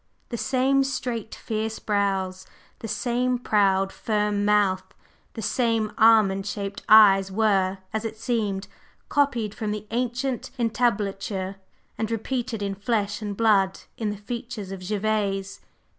The same straight, fierce brows, the same proud, firm mouth, the same almond shaped eyes were, as it seemed, copied from the ancient entablature and repeated in flesh and blood in the features of Gervase.